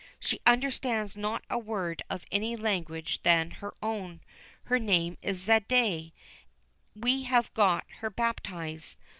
She understands not a word of any language than her own. Her name is Zayde; we have got her baptized....